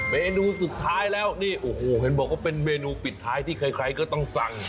เมนูสุดท้ายแล้วนี่โอ้โหเห็นบอกว่าเป็นเมนูปิดท้ายที่ใครก็ต้องสั่ง